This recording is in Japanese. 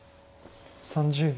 ３０秒。